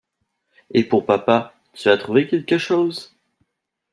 Et pour Papa, tu as trouvé quelque chose?